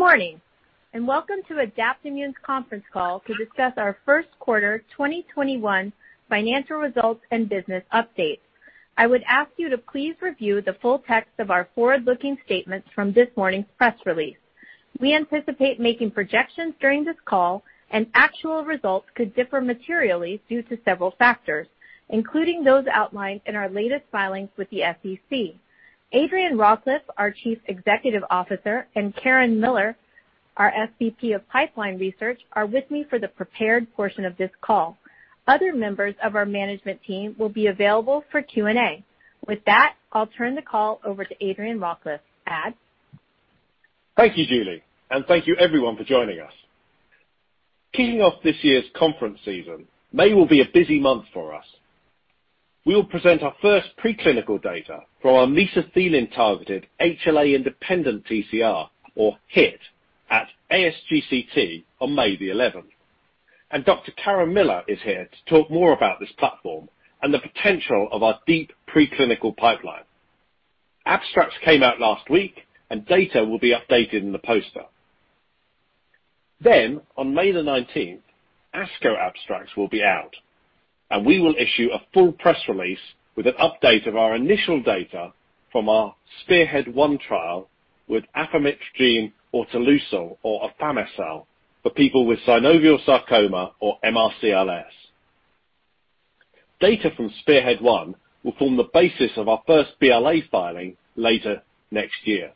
Good morning, and welcome to Adaptimmune's Conference Call to discuss our first quarter 2021 financial results and business updates. I would ask you to please review the full text of our forward-looking statements from this morning's press release. We anticipate making projections during this call, and actual results could differ materially due to several factors, including those outlined in our latest filings with the SEC. Adrian Rawcliffe, our Chief Executive Officer, and Karen Miller, our SVP of pipeline research, are with me for the prepared portion of this call. Other members of our management team will be available for Q&A. With that, I'll turn the call over to Adrian Rawcliffe. Ad? Thank you, Juli, and thank you, everyone, for joining us. Kicking off this year's conference season, May will be a busy month for us. We will present our first preclinical data for our mesothelin-targeted HLA-independent TCR, or HiT, at ASGCT on May the 11th. Dr. Karen Miller is here to talk more about this platform and the potential of our deep preclinical pipeline. Abstracts came out last week, and data will be updated in the poster. On May the 19th, ASCO abstracts will be out, and we will issue a full press release with an update of our initial data from our SPEARHEAD-1 trial with afamitresgene autoleucel, or afami-cel, for people with synovial sarcoma or MRCLS. Data from SPEARHEAD-1 will form the basis of our first BLA filing later next year.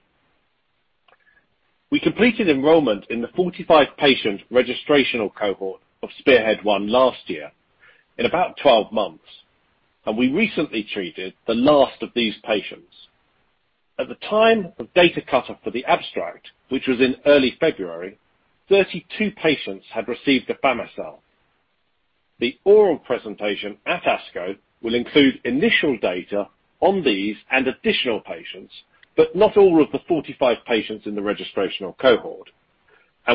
We completed enrollment in the 45-patient registrational cohort of SPEARHEAD-1 last year in about 12 months, and we recently treated the last of these patients. At the time of the data cut-off for the abstract, which was in early February, 32 patients had received afami-cel. The oral presentation at ASCO will include initial data on these and additional patients, but not all of the 45 patients in the registrational cohort.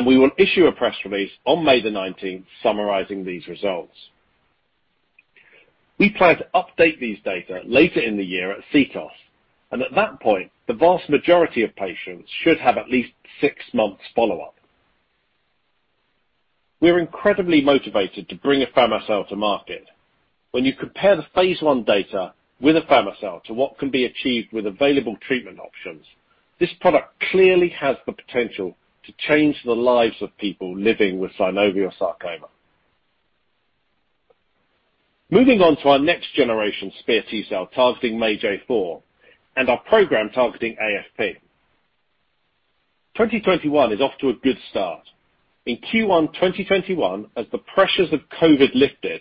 We will issue a press release on May 19th summarizing these results. We plan to update these data later in the year at CTOS, and at that point, the vast majority of patients should have at least six months follow-up. We're incredibly motivated to bring afami-cel to market. When you compare the phase I data with afami-cel to what can be achieved with available treatment options, this product clearly has the potential to change the lives of people living with synovial sarcoma. Moving on to our next-generation SPEAR T-cell targeting MAGE-A4 and our program targeting AFP. 2021 is off to a good start. In Q1 2021, as the pressures of COVID lifted,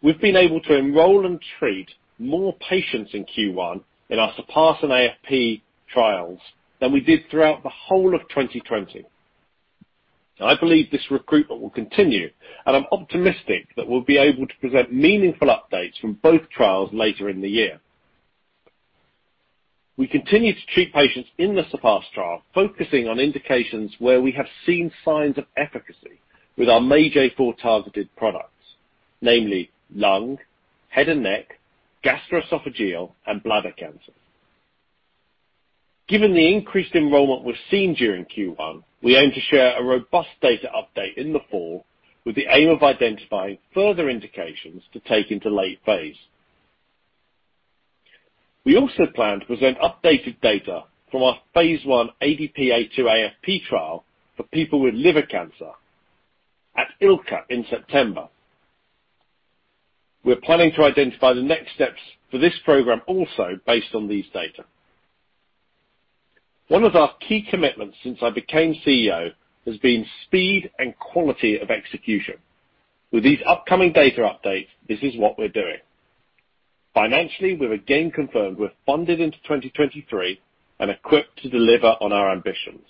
we've been able to enroll and treat more patients in Q1 in our SURPASS and AFP trials than we did throughout the whole of 2020. I believe this recruitment will continue, and I'm optimistic that we'll be able to present meaningful updates from both trials later in the year. We continue to treat patients in the SURPASS trial, focusing on indications where we have seen signs of efficacy with our MAGE-A4 targeted products, namely lung, head and neck, gastroesophageal, and bladder cancers. Given the increased enrollment we've seen during Q1, we aim to share a robust data update in the fall with the aim of identifying further indications to take into the late phase. We also plan to present updated data from our Phase I ADP-A2AFP trial for people with liver cancer at ILCA in September. We're planning to identify the next steps for this program also based on these data. One of our key commitments since I became CEO has been speed and quality of execution. With these upcoming data updates, this is what we're doing. Financially, we've again confirmed we're funded into 2023 and equipped to deliver on our ambitions.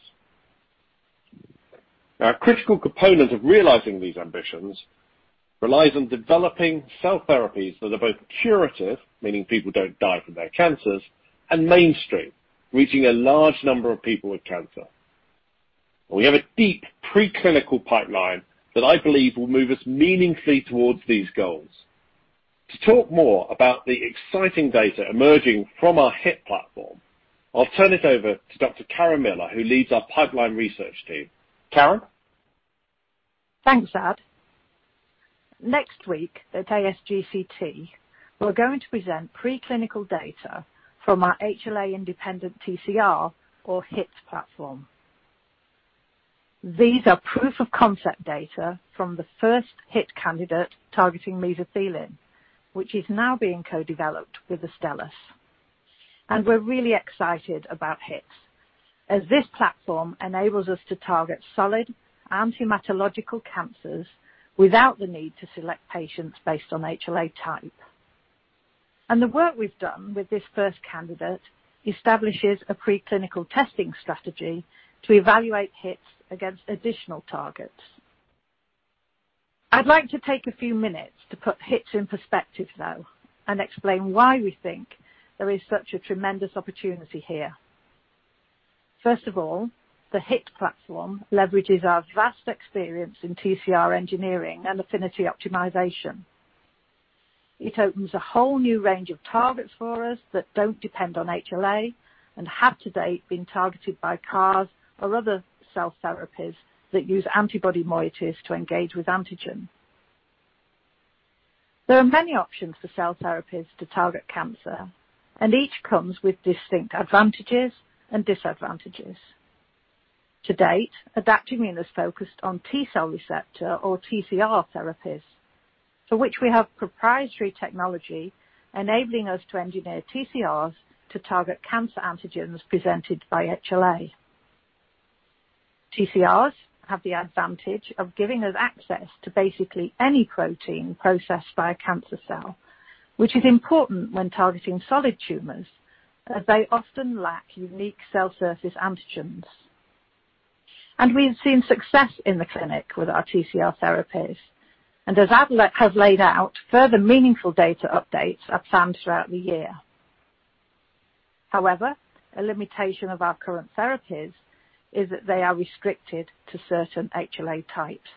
A critical component of realizing these ambitions relies on developing cell therapies that are both curative, meaning people don't die from their cancers, and mainstream, reaching a large number of people with cancer. We have a deep preclinical pipeline that I believe will move us meaningfully towards these goals. To talk more about the exciting data emerging from our HiT platform, I'll turn it over to Dr. Karen Miller, who leads our pipeline research team. Karen? Thanks, Ad. Next week at ASGCT, we're going to present preclinical data from our HLA-independent TCR, or HiT, platform. These are proof of concept data from the first HiT candidate targeting mesothelin, which is now being co-developed with Astellas. We're really excited about HiT, as this platform enables us to target solid and hematological cancers without the need to select patients based on HLA type. The work we've done with this first candidate establishes a preclinical testing strategy to evaluate HiTs against additional targets. I'd like to take a few minutes to put HiTs in perspective, though, and explain why we think there is such a tremendous opportunity here. First of all, the HiT platform leverages our vast experience in TCR engineering and affinity optimization. It opens a whole new range of targets for us that don't depend on HLA and have to date been targeted by CARs or other cell therapies that use antibody moieties to engage with antigen. There are many options for cell therapies to target cancer, each comes with distinct advantages and disadvantages. To date, Adaptimmune has focused on T-cell receptor, or TCR therapies, for which we have proprietary technology enabling us to engineer TCRs to target cancer antigens presented by HLA. TCRs have the advantage of giving us access to basically any protein processed by a cancer cell, which is important when targeting solid tumors, as they often lack unique cell surface antigens. We've seen success in the clinic with our TCR therapies. As Ad has laid out, further meaningful data updates are planned throughout the year. However, a limitation of our current therapies is that they are restricted to certain HLA types.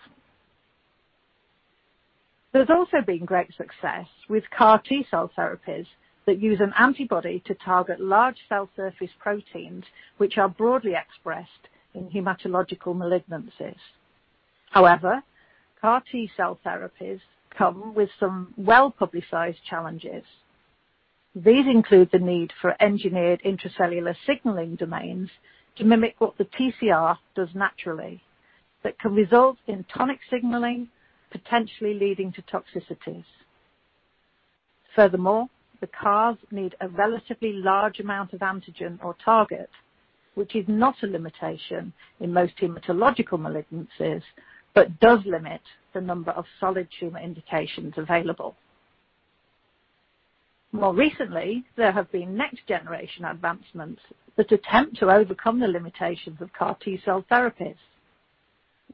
There has also been great success with CAR T-cell therapies that use an antibody to target large cell surface proteins, which are broadly expressed in hematological malignancies. However, CAR T-cell therapies come with some well-publicized challenges. These include the need for engineered intracellular signaling domains to mimic what the TCR does naturally that can result in tonic signaling, potentially leading to toxicities. Furthermore, the CARs need a relatively large amount of antigen or target, which is not a limitation in most hematological malignancies but does limit the number of solid tumor indications available. More recently, there have been next-generation advancements that attempt to overcome the limitations of CAR T-cell therapies,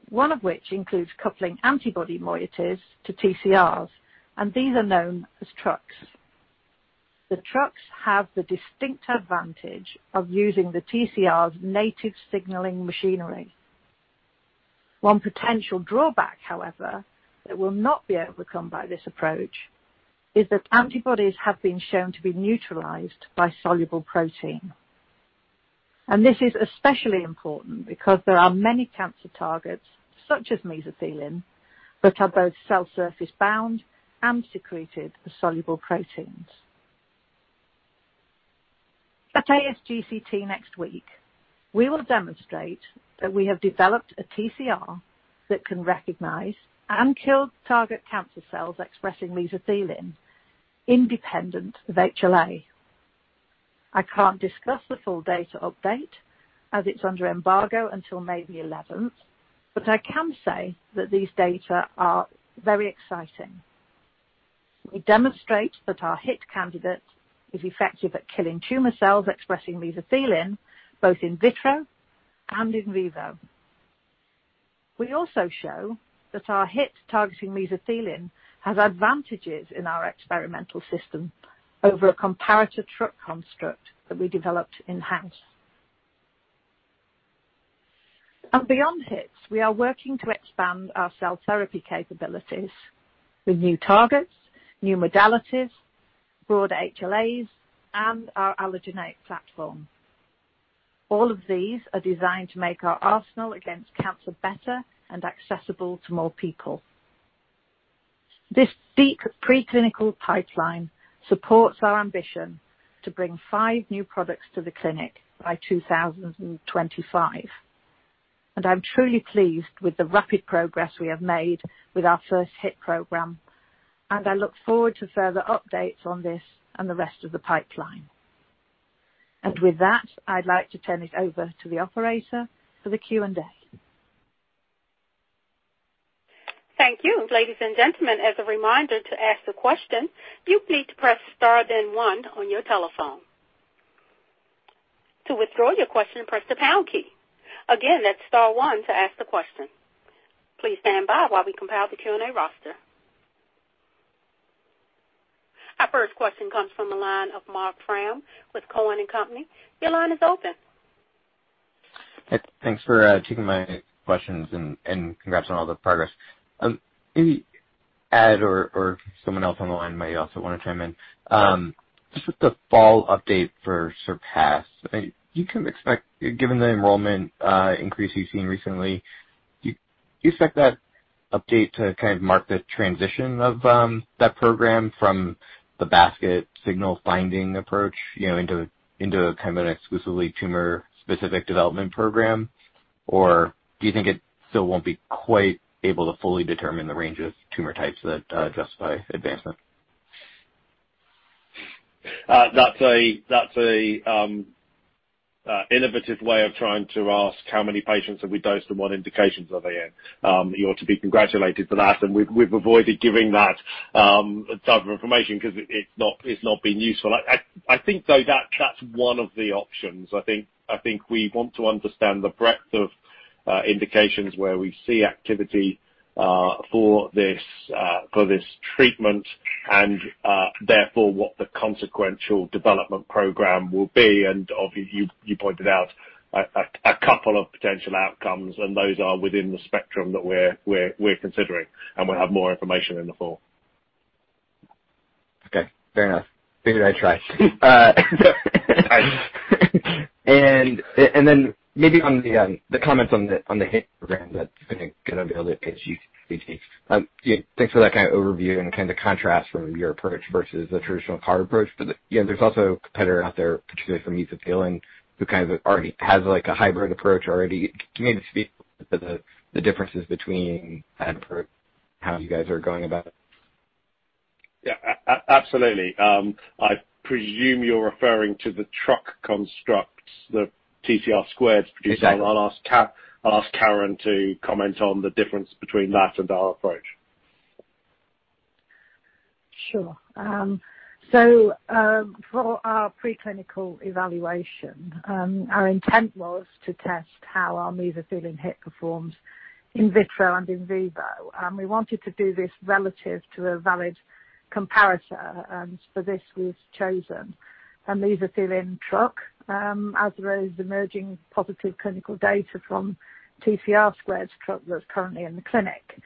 one of which includes coupling antibody moieties to TCRs. These are known as TRuCs. The TRuCs have the distinct advantage of using the TCR's native signaling machinery. One potential drawback, however, that will not be overcome by this approach is that antibodies have been shown to be neutralized by soluble protein. This is especially important because there are many cancer targets, such as mesothelin, that are both cell surface bound and secreted as soluble proteins. At ASGCT next week, we will demonstrate that we have developed a TCR that can recognize and kill target cancer cells expressing mesothelin independent of HLA. I can't discuss the full data update as it's under embargo until May the 11th, but I can say that this data is very exciting. We demonstrate that our HiT candidate is effective at killing tumor cells expressing mesothelin both in vitro and in vivo. We also show that our HiT targeting mesothelin has advantages in our experimental system over a comparative TRuC construct that we developed in-house. Beyond HiTs, we are working to expand our cell therapy capabilities with new targets, new modalities, broader HLAs, and our allogeneic platform. All of these are designed to make our arsenal against cancer better and accessible to more people. This deep preclinical pipeline supports our ambition to bring five new products to the clinic by 2025. I'm truly pleased with the rapid progress we have made with our first HiT program, and I look forward to further updates on this and the rest of the pipeline. With that, I'd like to turn it over to the operator for the Q&A. Thank you. Ladies and gentlemen, as a reminder, to ask a question, you need to press the star, then one, on your telephone. To withdraw your question, press the pound key. Again, that is the star one to ask the question. Please stand by while we compile the Q&A roster. Our first question comes from the line of Marc Frahm with Cowen and Company. Your line is open. Thanks for taking my questions, and congrats on all the progress. Maybe Ad or someone else on the line might also want to chime in. Just with the fall update for SURPASS, given the enrollment increase you've seen recently, do you expect that update to mark the transition of that program from the basket signal-finding approach into an exclusively tumor-specific development program? Or do you think it still won't be quite able to fully determine the range of tumor types that justify advancement? That's an innovative way of trying to ask how many patients have we dosed and what indications are they in. You're to be congratulated for that. We've avoided giving that type of information because it's not been useful. I think, though, that's one of the options. I think we want to understand the breadth of indications where we see activity for this treatment and therefore what the consequential development program will be. Obviously, you pointed out a couple of potential outcomes, and those are within the spectrum that we're considering, and we'll have more information in the fall. Okay, fair enough. Figured I'd try. Then maybe on the comments on the HiT program that's going to be able to pitch you, thanks for that kind of overview and kind of contrast from your approach versus the traditional CAR approach. There's also a competitor out there, particularly for mesothelin, who kind of already has a hybrid approach already. Can you maybe speak to the differences between that approach and how you guys are going about it? Yeah. Absolutely. I presume you're referring to the TRuC constructs that TCR2 is producing. Exactly. I'll ask Karen to comment on the difference between that and our approach. Sure. For our preclinical evaluation, our intent was to test how our mesothelin HiT performs in vitro and in vivo. We wanted to do this relative to a valid comparator. For this, we've chosen a mesothelin TRuC, as well as emerging positive clinical data from TCR2 Therapeutics's TRuC that's currently in the clinic.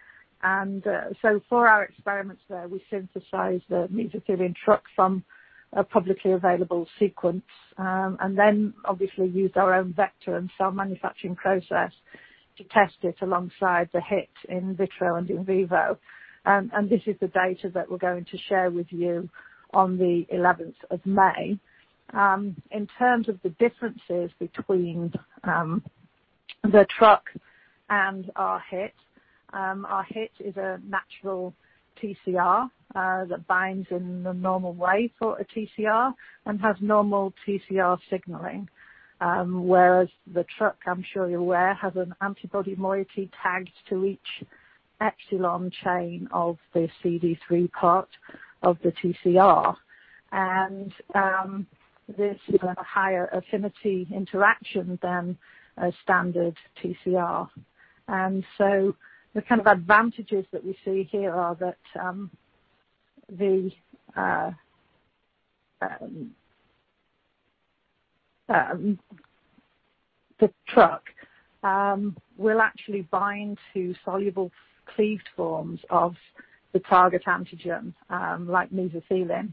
For our experiments there, we synthesized the mesothelin TRuC from a publicly available sequence, then obviously used our own vector and cell manufacturing process to test it alongside the HiT in vitro and in vivo. This is the data that we're going to share with you on the 11th of May. In terms of the differences between the TRuC and our HiT, our HiT is a natural TCR that binds in the normal way for a TCR and has normal TCR signaling. The TRuC, I'm sure you're aware, has an antibody moiety tagged to each epsilon chain of the CD3 part of the TCR. This is a higher affinity interaction than a standard TCR. The kind of advantages that we see here are that the TRuC will actually bind to soluble cleaved forms of the target antigen, like mesothelin.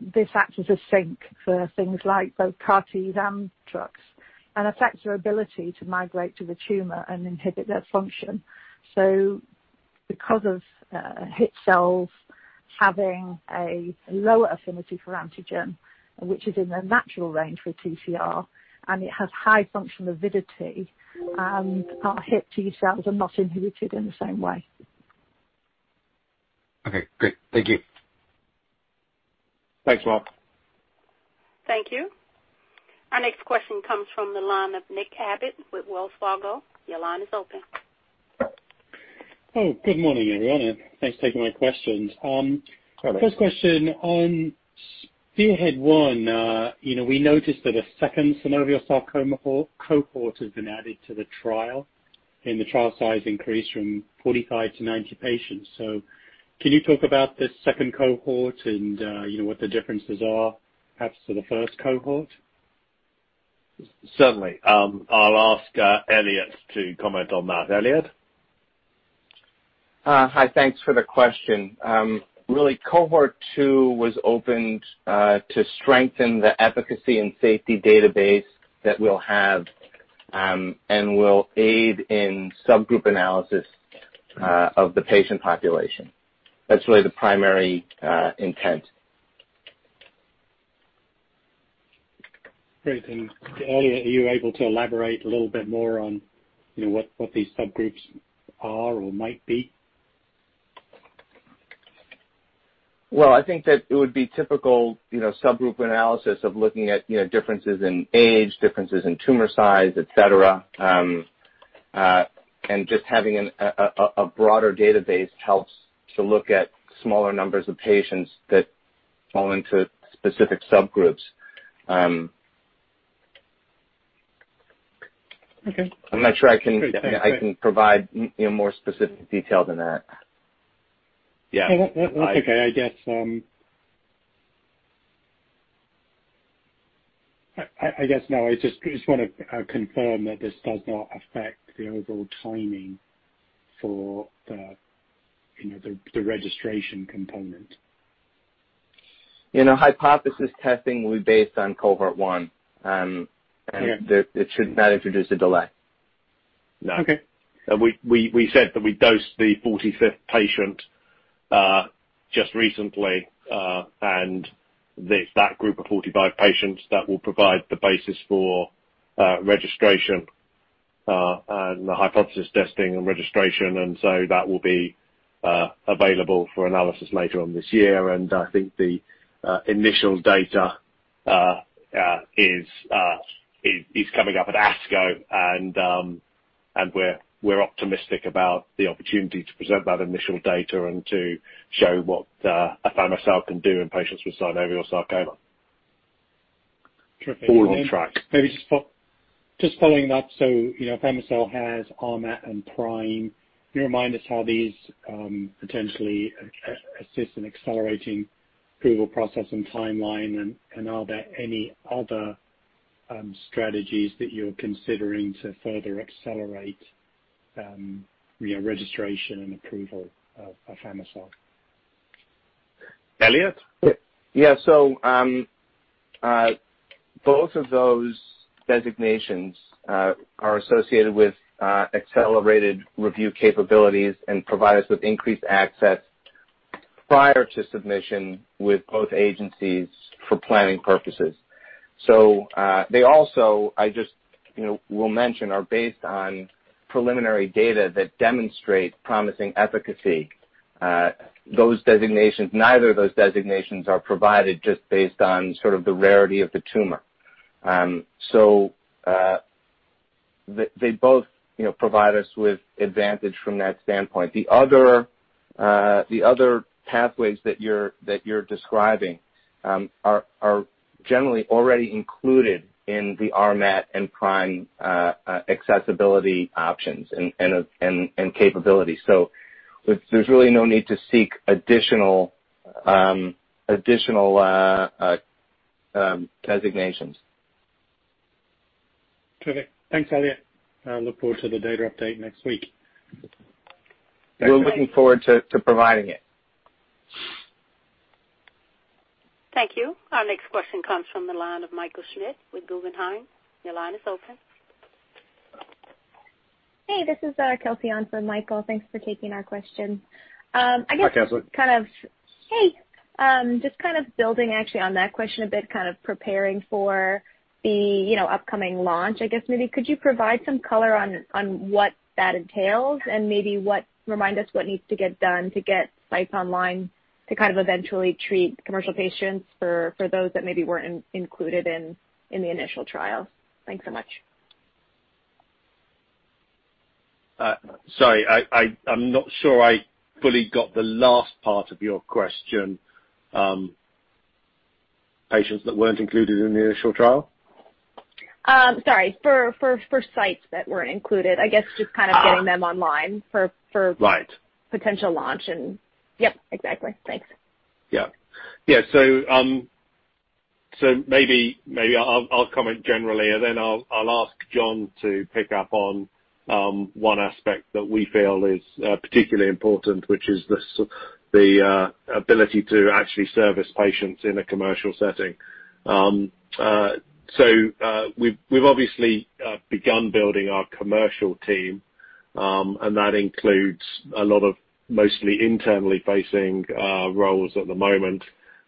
This acts as a sink for things like both CAR-T and TRuCs and affects their ability to migrate to the tumor and inhibit their function. Because HiT cells have a lower affinity for antigen, which is in the natural range for TCR, they have high functional avidity. Our HiT T-cells are not inhibited in the same way. Okay, great. Thank you. Thanks, Marc. Thank you. Our next question comes from the line of Nick Abbott with Wells Fargo. Your line is open. Oh, good morning, everyone, and thanks for taking my questions. Hi, Nick. First question on SPEARHEAD-1: we noticed that a second synovial sarcoma cohort has been added to the trial, and the trial size increased from 45-90 patients. Can you talk about this second cohort and what the differences are, perhaps to the first cohort? Certainly. I'll ask Elliot to comment on that. Elliot? Hi. Thanks for the question. Really, cohort two was opened to strengthen the efficacy and safety database that we'll have and will aid in subgroup analysis of the patient population. That's really the primary intent. Great. Elliot, are you able to elaborate a little bit more on what these subgroups are or might be? Well, I think that it would be a typical subgroup analysis of looking at differences in age, differences in tumor size, et cetera. Just having a broader database helps to look at smaller numbers of patients that fall into specific subgroups. Okay. I'm not sure I can provide more specific detail than that. Yeah. That's okay. I just want to confirm that this does not affect the overall timing for the registration component. Hypothesis testing will be based on cohort one. Okay It should not introduce a delay. Okay. We said that we dosed the 45th patient just recently. It's that group of 45 patients that will provide the basis for registration and the hypothesis testing and registration. That will be available for analysis later on this year. I think the initial data is coming up at ASCO. We're optimistic about the opportunity to present that initial data and to show what afami-cel can do in patients with synovial sarcoma. Terrific. All on track. Maybe just following that, afami-cel has RMAT and PRIME. Can you remind us how these potentially assist in accelerating the approval process and timeline, and are there any strategies that you're considering to further accelerate your registration and approval of afami-cel? Elliot? Yeah. Both of those designations are associated with accelerated review capabilities and provide us with increased access prior to submission with both agencies for planning purposes. They also, I just will mention, are based on preliminary data that demonstrate promising efficacy. Neither of those designations is provided just based on sort of the rarity of the tumor. They both provide us with an advantage from that standpoint. The other pathways that you're describing are generally already included in the RMAT and PRIME accessibility options and capabilities. There's really no need to seek additional designations. Perfect. Thanks, Elliot. I look forward to the data update next week. We're looking forward to providing it. Thank you. Our next question comes from the line of Michael Schmidt with Guggenheim. Your line is open. Hey, this is Kelsey on for Michael. Thanks for taking our question. Hi, Kelsey. Hey. Just building actually on that question a bit, preparing for the upcoming launch, I guess maybe could you provide some color on what that entails and maybe remind us what needs to get done to get sites online to eventually treat commercial patients for those that maybe weren't included in the initial trial? Thanks so much. Sorry, I'm not sure I fully got the last part of your question. Patients that weren't included in the initial trial? Sorry. For sites that weren't included, I guess just getting them online— Right ...potential launch, and yep, exactly. Thanks. Maybe I'll comment generally, and then I'll ask John to pick up on one aspect that we feel is particularly important, which is the ability to actually service patients in a commercial setting. We've obviously begun building our commercial team, and that includes a lot of mostly internally facing roles at the moment,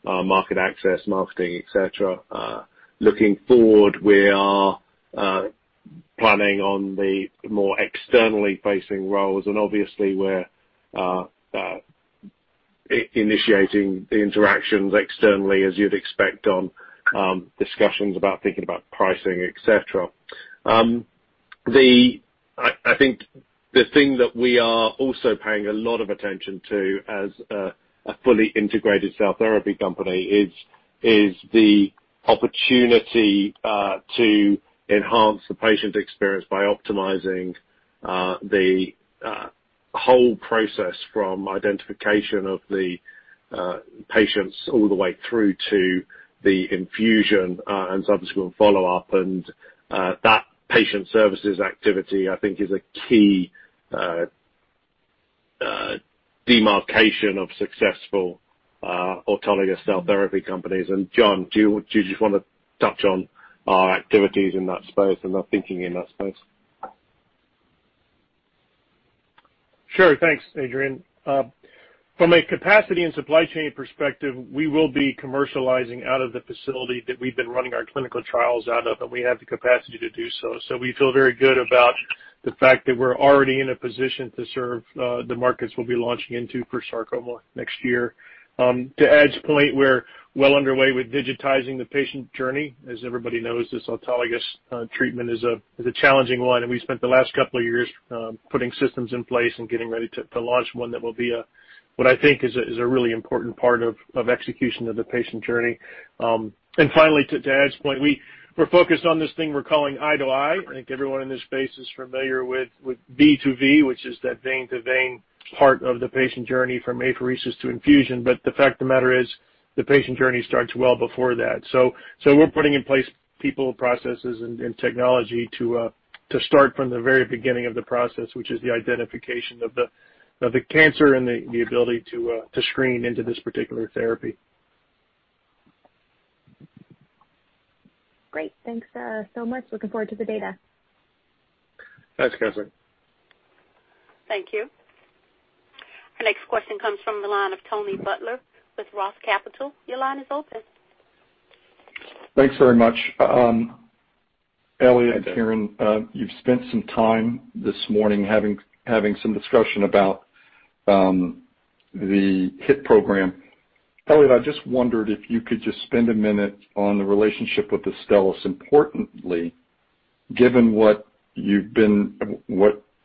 such as market access, marketing, et cetera. Looking forward, we are planning on the more externally facing roles, and obviously we're initiating the interactions externally, as you'd expect, on discussions about thinking about pricing, etc. I think the thing that we are also paying a lot of attention to as a fully integrated cell therapy company is the opportunity to enhance the patient experience by optimizing the whole process from identification of the patients all the way through to the infusion and subsequent follow-up. That patient services activity, I think, is a key demarcation of successful autologous cell therapy companies. John, do you just want to touch on our activities in that space and our thinking in that space? Sure. Thanks, Adrian. From a capacity and supply chain perspective, we will be commercializing out of the facility that we've been running our clinical trials out of, and we have the capacity to do so. We feel very good about the fact that we're already in a position to serve the markets we'll be launching into for sarcoma next year. To Ad's point, we're well underway with digitizing the patient journey. As everybody knows, this autologous treatment is a challenging one, and we spent the last couple of years putting systems in place and getting ready to launch one that will be what I think is a really important part of execution of the patient journey. Finally, to Ad's point, we're focused on this thing we're calling I-to-I. I think everyone in this space is familiar with V2V, which is that vein-to-vein part of the patient journey from apheresis to infusion. The fact of the matter is, the patient journey starts well before that. We're putting in place people, processes, and technology to start from the very beginning of the process, which is the identification of the cancer and the ability to screen into this particular therapy. Great. Thanks so much. Looking forward to the data. Thanks, Kelsey. Thank you. Our next question comes from the line of Tony Butler with ROTH Capital Partners. Your line is open. Thanks very much. Elliot and Karen, you've spent some time this morning having some discussion about the HiT program. Elliot, I just wondered if you could just spend a minute on the relationship with Astellas. Given what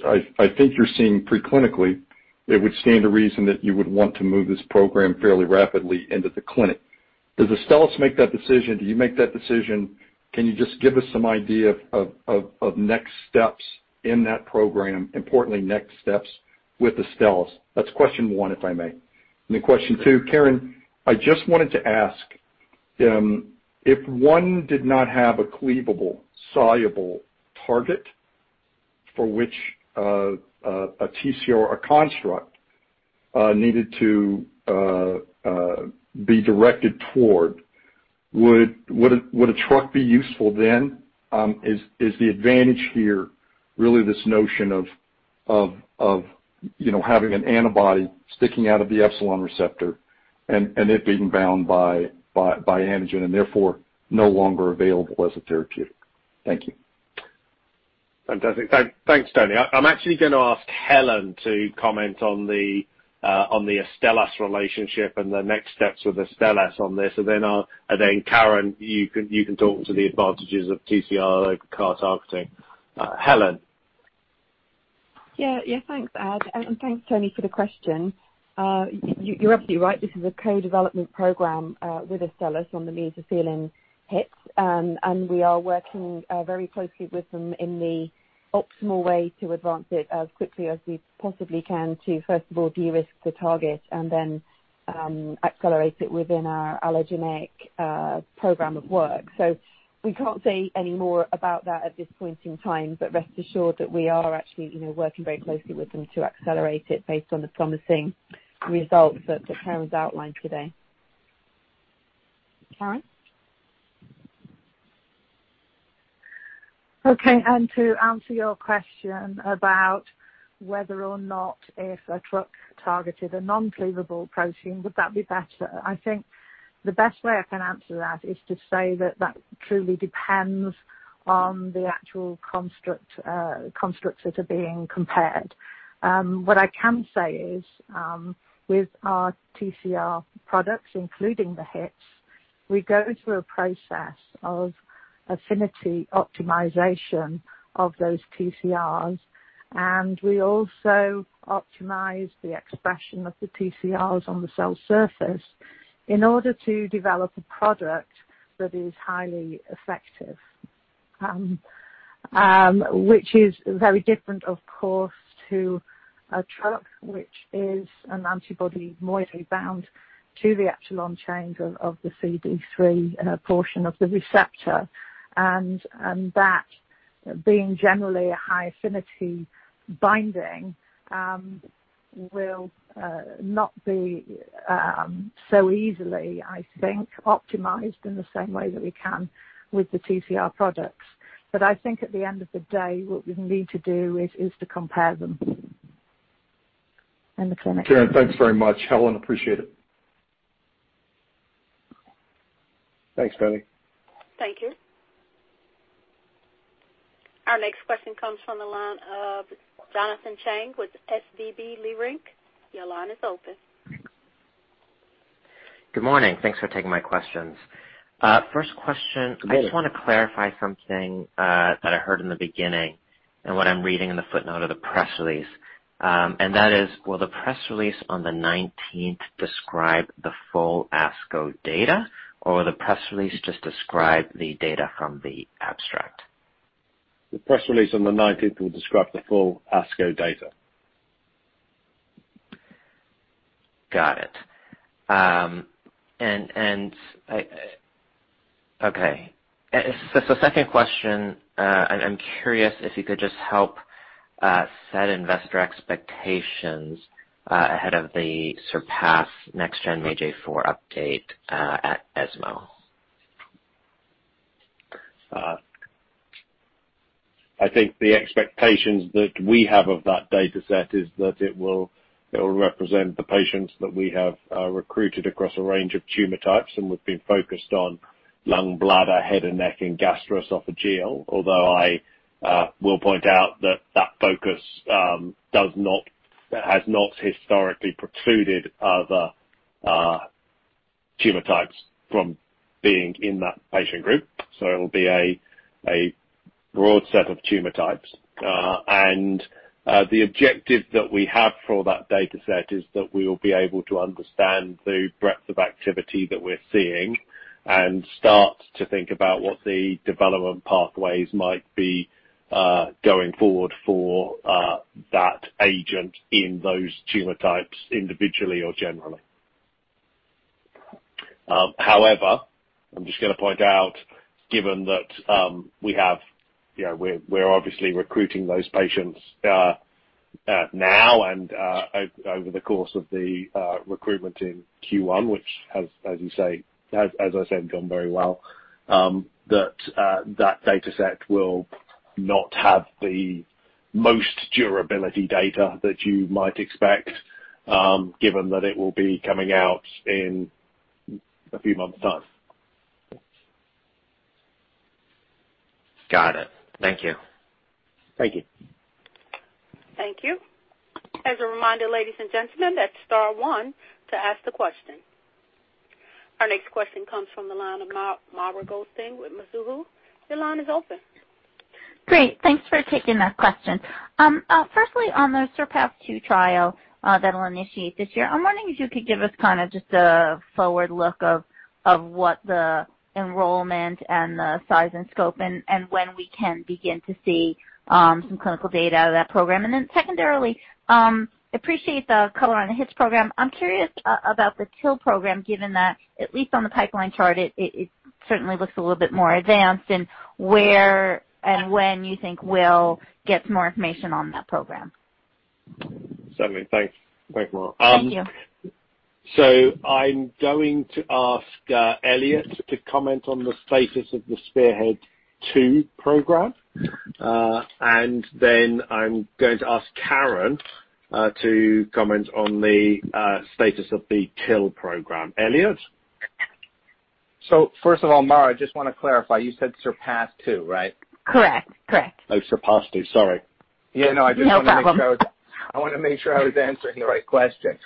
I think you're seeing pre-clinically, it would stand to reason that you would want to move this program fairly rapidly into the clinic. Does Astellas make that decision? Do you make that decision? Can you just give us some idea of next steps in that program, importantly, next steps with Astellas? That's question one, if I may. Question two, Karen, I just wanted to ask, if one did not have a cleavable soluble target for which a TCR, a construct, needed to be directed toward, would a TRuC be useful then? Is the advantage here really this notion of having an antibody sticking out of the epsilon receptor and it being bound by antigen and therefore no longer available as a therapeutic? Thank you. Fantastic. Thanks, Tony. I'm actually going to ask Helen to comment on the Astellas relationship and the next steps with Astellas on this. Then, Karen, you can talk about the advantages of TCR or CAR targeting. Helen? Thanks, Ad, and thanks, Tony, for the question. You're absolutely right. This is a co-development program with Astellas on the mesothelin HiTs, and we are working very closely with them in the optimal way to advance it as quickly as we possibly can to, first of all, de-risk the target and then accelerate it within our allogeneic program of work. We can't say any more about that at this point in time, but rest assured that we are actually working very closely with them to accelerate it based on the promising results that Karen's outlined today. Karen? Okay. To answer your question about whether or not a TRuC targeted a non-cleavable protein, would that be better? I think the best way I can answer that is to say that that truly depends on the actual constructs that are being compared. What I can say is, with our TCR products, including the HiTs, we go through a process of affinity optimization of those TCRs, and we also optimize the expression of the TCRs on the cell surface in order to develop a product that is highly effective, which is very different, of course, from a TRuC, which is an antibody moiety bound to the epsilon chain of the CD3 portion of the receptor. That being generally a high-affinity binding will not be so easy, I think, to optimize in the same way that we can with the TCR products. I think at the end of the day, what we need to do is to compare them in the clinic. Karen, thanks very much. Helen, appreciate it. Thanks, Tony. Thank you. Our next question comes from the line of Jonathan Chang with SVB Leerink. Your line is open. Good morning. Thanks for taking my questions. Yes. I just want to clarify something that I heard in the beginning and what I'm reading in the footnote of the press release, and that is, will the press release on the 19th describe the full ASCO data, or will the press release just describe the data from the abstract? The press release on the 19th will describe the full ASCO data. Got it. Okay. Second question: I'm curious if you could just help set investor expectations ahead of the SURPASS next-gen MAGE-A4 update at ESMO. I think the expectations that we have of that dataset are that it will represent the patients that we have recruited across a range of tumor types. We've been focused on lung, bladder, head and neck, and gastroesophageal. Although I will point out that that focus has not historically precluded other tumor types from being in that patient group. It'll be a broad set of tumor types. The objective that we have for that dataset is that we will be able to understand the breadth of activity that we're seeing and start to think about what the development pathways might be going forward for that agent in those tumor types, individually or generally. I'm just going to point out, given that we're obviously recruiting those patients now and over the course of the recruitment in Q1, which has, as I said, gone very well, that that dataset will not have the most durability data that you might expect, given that it will be coming out in a few months' time. Got it. Thank you. Thank you. Thank you. As a reminder ladies and gentlemen, press star one to ask a question. Our next question comes from the line of Mara Goldstein with Mizuho. Great. Thanks for taking that question. Firstly, on the SURPASS-2 trial that'll initiate this year, I'm wondering if you could give us just a forward look at what the enrollment and the size and scope are and when we can begin to see some clinical data out of that program. Secondarily, appreciate the color on the HiTS program. I'm curious about the TIL program, given that at least on the pipeline chart, it certainly looks a little bit more advanced, and I'm wondering where and when you think we'll get some more information on that program. Certainly. Thanks. Thanks, Mara. Thank you. I'm going to ask Elliot to comment on the status of the SPEARHEAD-2 program. I'm going to ask Karen to comment on the status of the TIL program. Elliot? First of all, Mara, I just want to clarify: you said SURPASS-2, right? Correct. Oh, SURPASS-2. Sorry. Yeah, no, I just want to make sure. No problem. I want to make sure I am answering the right question.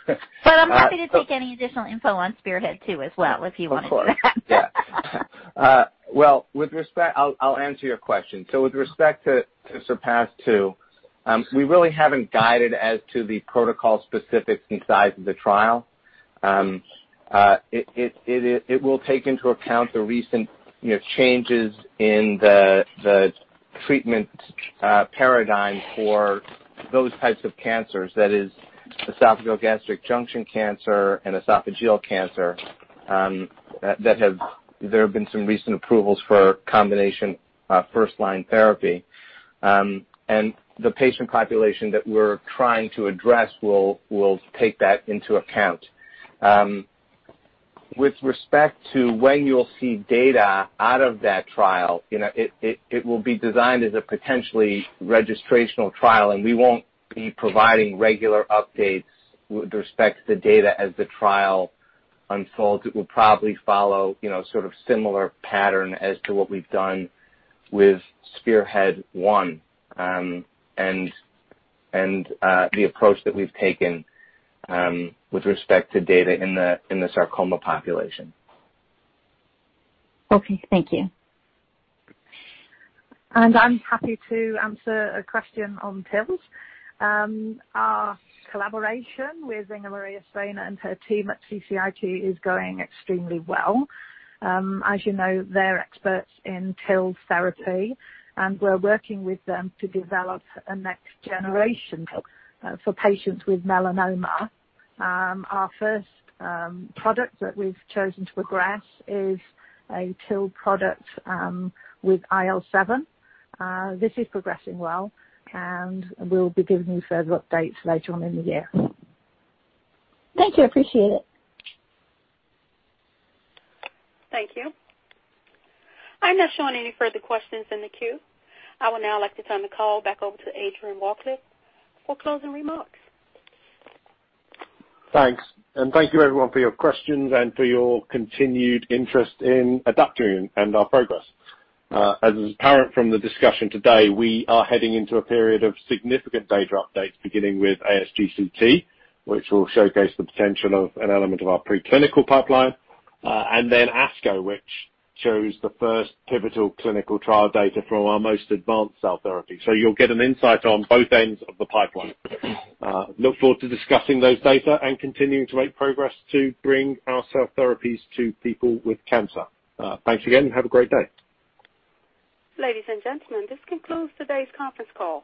I'm happy to take any additional info on SPEARHEAD-2 as well, if you want to do that. Of course. Yeah. I'll answer your question. With respect to SURPASS-2, we really haven't guided as to the protocol specifics and size of the trial. It will take into account the recent changes in the treatment paradigm for those types of cancers, that is, esophageal gastric junction cancer and esophageal cancer. There have been some recent approvals for combination first-line therapy. The patient population that we're trying to address will take that into account. With respect to when you'll see data out of that trial, it will be designed as a potentially registrational trial, and we won't be providing regular updates with respect to data as the trial unfolds. It will probably follow sort of a similar pattern to what we've done with SPEARHEAD-1, and the approach that we've taken with respect to data in the sarcoma population. Okay. Thank you. I'm happy to answer a question on TIL. Our collaboration with Inge Marie Svane and her team at CCIT is going extremely well. As you know, they're experts in TIL therapy, we're working with them to develop a next generation for patients with melanoma. Our first product that we've chosen to progress is a TIL product with IL-7. This is progressing well, we'll be giving you further updates later on in the year. Thank you. Appreciate it. Thank you. I'm not showing any further questions in the queue. I would now like to turn the call back over to Adrian Rawcliffe for closing remarks. Thanks. Thank you, everyone, for your questions and for your continued interest in Adaptimmune and our progress. As is apparent from the discussion today, we are heading into a period of significant data updates, beginning with ASGCT, which will showcase the potential of an element of our preclinical pipeline, and then ASCO, which shows the first pivotal clinical trial data from our most advanced cell therapy. You'll get insight on both ends of the pipeline. Look forward to discussing those data and continuing to make progress to bring our cell therapies to people with cancer. Thanks again. Have a great day. Ladies and gentlemen, this concludes today's conference call.